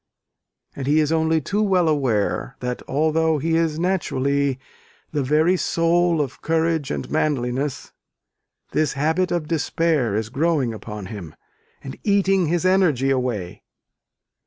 And he is only too well aware, that although he is naturally "the very soul of courage and manliness," this habit of despair is growing upon him, and eating his energy away.